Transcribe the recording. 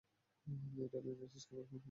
মেয়েটা লিনেটের স্কুলফ্রেন্ড, তাই না?